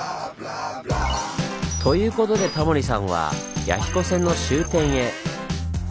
ということでタモリさんは弥彦線の終点へ。